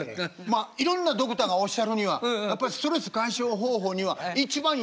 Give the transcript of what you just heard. まあいろんなドクターがおっしゃるにはやっぱりストレス解消方法には一番いいのは笑いなさい。